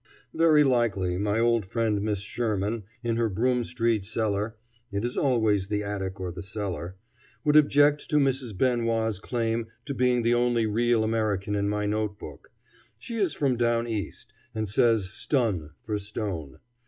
Very likely, my old friend Miss Sherman, in her Broome street cellar, it is always the attic or the cellar, would object to Mrs. Ben Wah's claim to being the only real American in my note book. She is from down East, and says "stun" for stone.